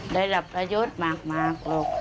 ได้รับประยุทธ์มากครับ